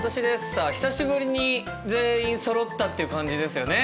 さあ久しぶりに全員そろったっていう感じですよね。